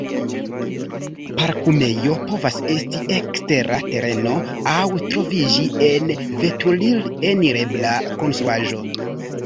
Parkumejo povas esti ekstera tereno aŭ troviĝi en veturil-enirebla konstruaĵo.